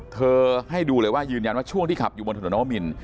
ให้ดูเลยว่ายืนยันว่าช่วงที่ขับอยู่บนถนนนวมิน